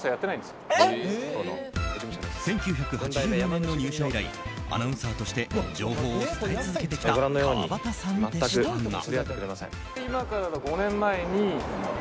１９８４年の入社以来アナウンサーとして情報を伝え続けてきた川端さんでしたが。